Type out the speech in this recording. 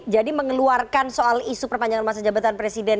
jadi mengeluarkan soal isu perpanjangan masa jabatan presiden